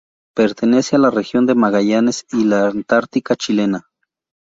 Pertenece a la Región de Magallanes y la Antártica Chilena.